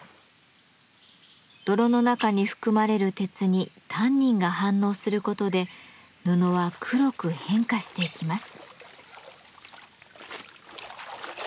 泥の中に含まれる鉄にタンニンが反応することで布は黒く変化していきます。